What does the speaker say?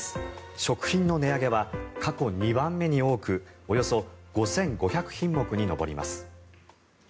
食品の値上げは過去２番目に多くおよそ５５００品目に上ります。